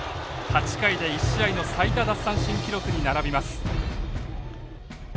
８回で１試合の最多奪三振記録に並びます。